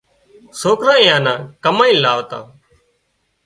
سوڪرا اين نا ڪمائينَ لاوتا